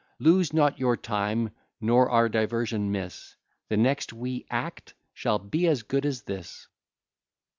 Lose not your time, nor our diversion miss, The next we act shall be as good as this.